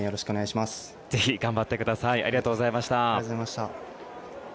ぜひ頑張ってください。